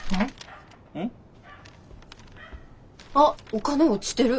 あっお金落ちてる。